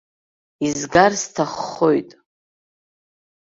Изгар сҭаххоит.